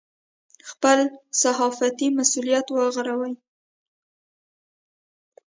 خپل صحافتي مسوولیت ورغوو.